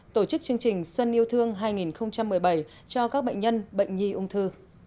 tổ chức chương trình xuân yêu thương hai nghìn một mươi bảy cho các bệnh nhân bệnh nhi ung thư